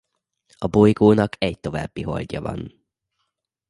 A bolygónak egy további holdja van.